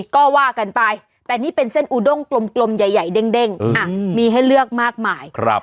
ก็ว่ากันไปแต่นี่เป็นเส้นอูด้งกลมกลมใหญ่ใหญ่เด้งเด้งอืมอ่ามีให้เลือกมากมายครับ